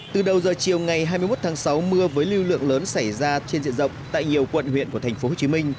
từ đầu giờ chiều ngày hai mươi một tháng sáu mưa với lưu lượng lớn xảy ra trên diện rộng tại nhiều quận huyện của thành phố hồ chí minh